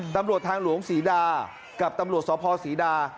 ตำรวจทางหลวงศรีดากับตำรวจสภศรีดา